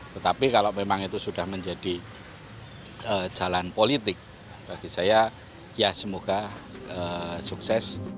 tetapi kalau memang itu sudah menjadi jalan politik bagi saya ya semoga sukses